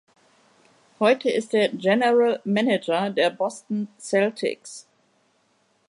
Heute ist er General Manager der Boston Celtics.